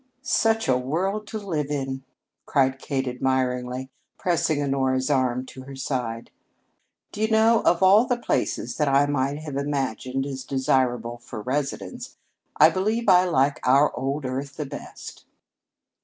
"Such a world to live in," cried Kate admiringly, pressing Honora's arm to her side. "Do you know, of all the places that I might have imagined as desirable for residence, I believe I like our old earth the best!"